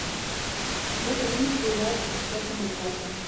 Гэты вынік з'яўляецца сусветным рэкордам.